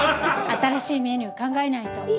新しいメニュー考えないと。